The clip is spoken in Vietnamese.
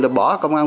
là bỏ công an